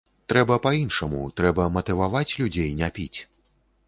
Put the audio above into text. Трэба па-іншаму, трэба матываваць людзей не піць.